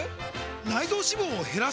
内臓脂肪を減らす！？